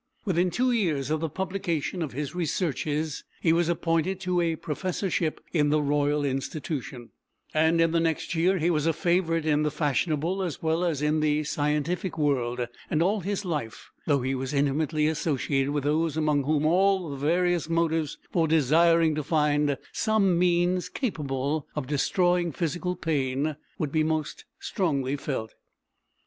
Within two years of the publication of his Researches he was appointed to a professorship in the Royal Institution; and in the next year he was a favourite in the fashionable as well as in the scientific world; and all his life through he was intimately associated with those among whom all the various motives for desiring to find some means "capable of destroying physical pain" would be most strongly felt.